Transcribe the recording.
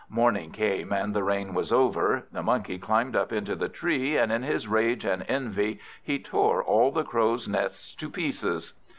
Morning came, and the rain was over. The Monkey climbed up into the tree, and in his rage and envy he tore all the Crows' nests to pieces.